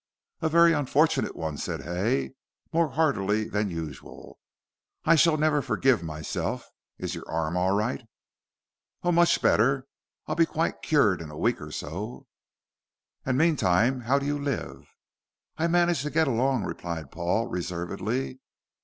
"A very unfortunate one," said Hay, more heartily than usual. "I shall never forgive myself. Is your arm all right?" "Oh, much better. I'll be quite cured in a week or so." "And meantime how do you live?" "I manage to get along," replied Paul, reservedly.